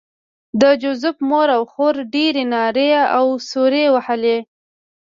د جوزف مور او خور ډېرې نارې او سورې وهلې